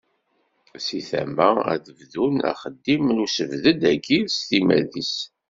Seg tama, ad bdun axeddim n usebddad-agi s timmad-is.